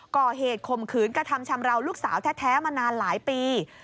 ข่มขืนกระทำชำราวลูกสาวแท้มานานหลายปี